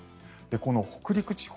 この北陸地方